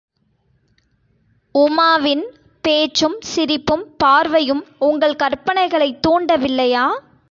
உமாவின் பேச்சும் சிரிப்பும் பார்வையும் உங்கள் கற்பனைகளைத் தூண்டவில்லையா?